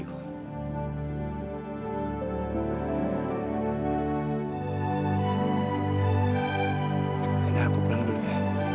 nah aku pulang dulu ya